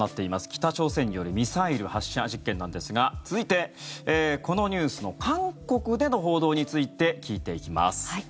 北朝鮮によるミサイル発射実験なんですが続いて、このニュースの韓国での報道について聞いていきます。